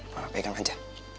mama pegang aja